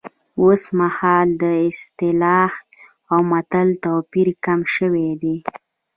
اوس مهال د اصطلاح او متل توپیر کم شوی دی